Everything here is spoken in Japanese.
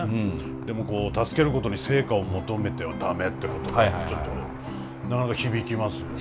でもこう助けることに成果を求めては駄目って言葉はちょっとなかなか響きますよね。